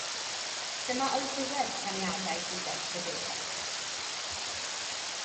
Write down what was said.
Dyma oedd ddiwedd rhaniadau dugaeth Bafaria.